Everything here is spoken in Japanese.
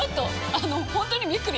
あの本当にびっくり！